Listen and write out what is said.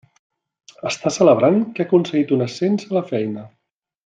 Està celebrant que ha aconseguit un ascens a la feina.